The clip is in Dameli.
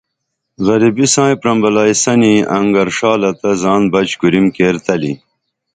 غریبی سائیں پرمبلائی سنی انگر ݜالہ تہ زان بچ کُریم کیر تلی